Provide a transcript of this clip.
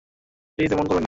Please এমন করবেন না।